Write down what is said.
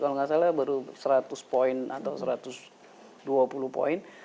kalau nggak salah baru seratus poin atau satu ratus dua puluh poin